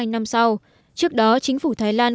năm sau trước đó chính phủ thái lan